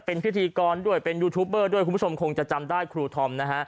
เป็นพิธีกรด้วยเป็นยูทูปเบอร์ด้วยคุณผู้ชมคงจะจำได้ครูธอมนะฮะ